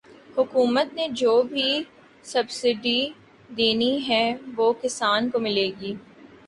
حکومت نے جو بھی سبسڈی دینی ہے وہ کسان کو ملے گی